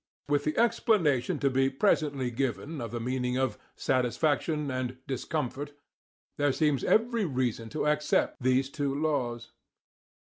With the explanation to be presently given of the meaning of "satisfaction" and "discomfort," there seems every reason to accept these two laws.